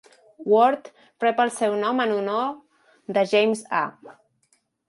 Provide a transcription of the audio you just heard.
Ward rep el seu nom en honor de James A.